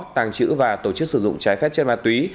tăng chữ và tổ chức sử dụng trái phép trên mặt túy